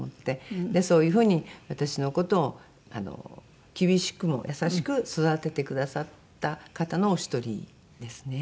そういう風に私の事を厳しくも優しく育ててくださった方のお一人ですね。